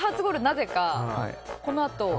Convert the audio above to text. なぜかこのあと。